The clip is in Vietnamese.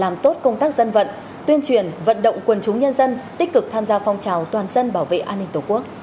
làm tốt công tác dân vận tuyên truyền vận động quần chúng nhân dân tích cực tham gia phong trào toàn dân bảo vệ an ninh tổ quốc